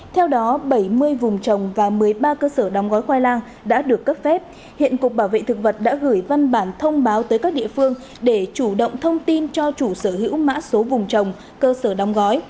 theo đó bảy mươi vùng trồng và một mươi ba cơ sở đóng gói khoai lang đã được cấp phép hiện cục bảo vệ thực vật đã gửi văn bản thông báo tới các địa phương để chủ động thông tin cho chủ sở hữu mã số vùng trồng cơ sở đóng gói